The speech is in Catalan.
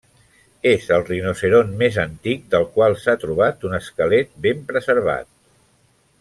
És el rinoceront més antic del qual s'ha trobat un esquelet ben preservat.